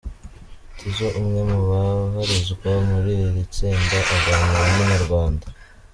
Tizzo umwe mu babarizwa muri iri tsinda aganira na Inyarwanda.